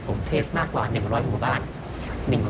ผมเทศมากกว่า๑๐๐อุบรณ์